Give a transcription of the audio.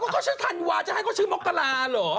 ก็ชื่อธันวาจะให้ก็ชื่อมกราหรอ